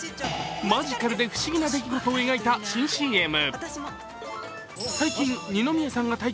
マヂカルで不思議な出来事を描いた新ＣＭ。